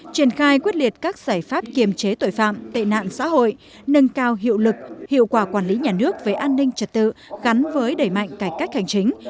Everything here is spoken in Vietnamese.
triển khai quyết liệt các giải pháp kiềm chế tội phạm tệ nạn xã hội nâng cao hiệu lực hiệu quả quản lý nhà nước về an ninh trật tự gắn với đẩy mạnh cải cách hành chính